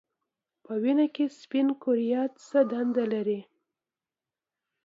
په وینه کې سپین کرویات څه دنده لري